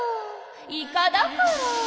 イカだから。